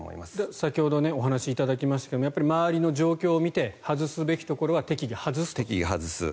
先ほどお話しいただきましたがやっぱり周りの状況を見て外すべきところは適宜外す。